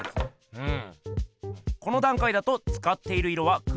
うん？